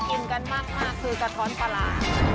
กินกันมากคือกระท้อนปลาร้า